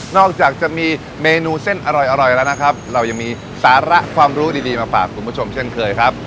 จากจะมีเมนูเส้นอร่อยแล้วนะครับเรายังมีสาระความรู้ดีมาฝากคุณผู้ชมเช่นเคยครับ